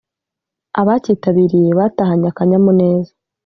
abacyitabiriye batahanye akanyamuneza